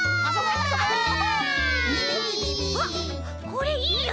うわっこれいいよ。